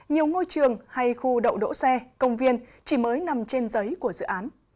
nhiều ngôi trường hay khu đậu đỗ xe công viên chỉ mới nằm trên giấy của dự án